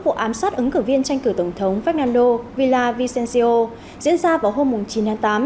vụ ám sát ứng cử viên tranh cử tổng thống fernando villavicencio diễn ra vào hôm chín tháng tám